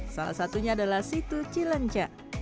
salah satunya adalah situ cilenca